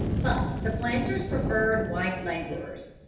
But the planters preferred white laborers.